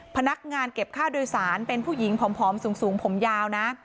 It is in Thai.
พนักงานเก็บค่าโดยสารเป็นผู้หญิงผอมสูงผมยาวนะ